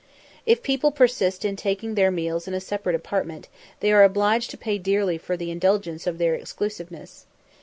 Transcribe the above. If people persist in taking their meals in a separate apartment, they are obliged to pay dearly for the indulgence of their exclusiveness.